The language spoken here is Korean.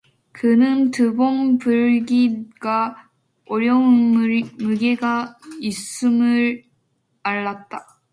그는 두 번 부르기가 어려운 무게가 있음을 알았다.